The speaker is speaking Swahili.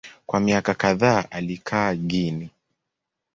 Kwa miaka kadhaa alikaa Guinea.